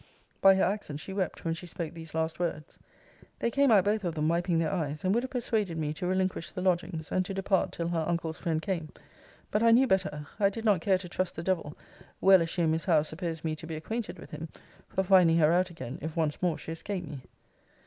By her accent she wept when she spoke these last words. They came out both of them wiping their eyes; and would have persuaded me to relinquish the lodgings, and to depart till her uncle's friend came. But I knew better. I did not care to trust the Devil, well as she and Miss Howe suppose me to be acquainted with him, for finding her out again, if once more she escaped me.